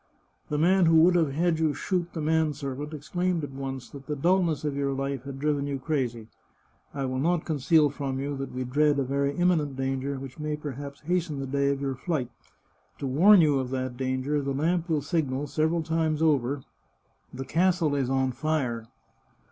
The man who would have had you shoot the man servant exclaimed at once that the dulness of your life had driven you crazy. I will not conceal from you that we dread a very imminent danger, which may perhaps hasten the day of your flight. To warn you of that danger, the lamp will signal several times over: "* The castle is on fire.